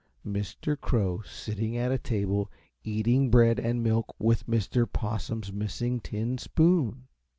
Mr. Crow sitting at a table eating bread and milk with Mr. Possum's missing tin spoon.